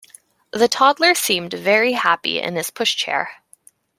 The toddler seemed very happy in his pushchair